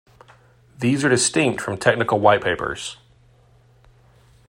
These are distinct from technical white papers.